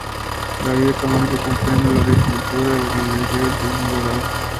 La vida económica comprende la agricultura, la ganadería y el turismo rural.